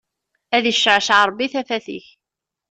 Ad iccewceɛ Ṛebbi tafat ik.